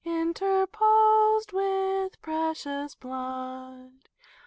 In terposed with precious blood.